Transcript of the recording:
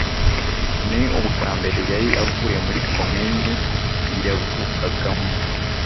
Ni ubwa mbere yari avuye muri Komini yavukagamo,